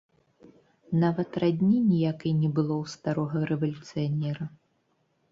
Нават радні ніякай не было ў старога рэвалюцыянера.